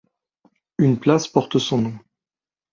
Une place porte son nom...